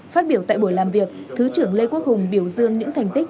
phát biểu tại buổi làm việc thứ trưởng lê quốc hùng biểu dương những thành tích